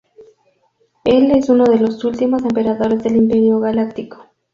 Él es uno de los últimos emperadores del Imperio Galáctico.